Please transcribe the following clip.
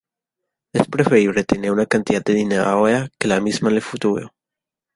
Es preferible tener una cantidad de dinero ahora que la misma en el futuro.